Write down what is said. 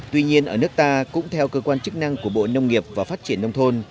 tuy nhiên ở nước ta cũng theo cơ quan chức năng của bộ nông nghiệp và phát triển nông thôn